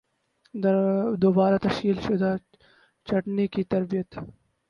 دوبارہ تشکیل شدہ چھٹنی کی ترتیب